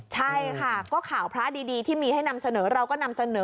ใช่ค่ะก็ข่าวพระดีที่มีให้นำเสนอเราก็นำเสนอ